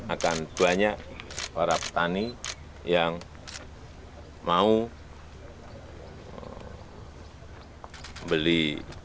akan banyak para petani yang mau beli